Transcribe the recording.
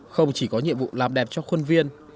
không chỉ có nhiệm vụ làm đẹp cho khuôn viên